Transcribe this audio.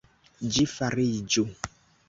Ĝi fariĝu!